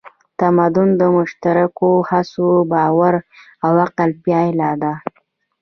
تمدن د مشترکو هڅو، باور او عقل پایله ده.